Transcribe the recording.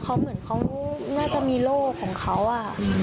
ก็คือใช้ลายของเขาอะ